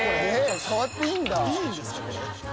触っていいんだ？